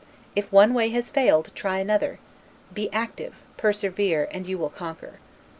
If one way has failed, try another; be active, persevere, and you will conquer.